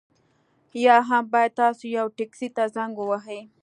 یا هم باید تاسو یوه ټکسي ته زنګ ووهئ